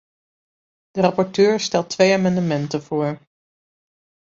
De rapporteur stelt twee amendementen voor.